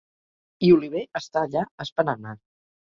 I Oliver està allà esperant-me.